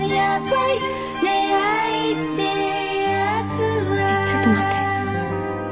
えっちょっと待って。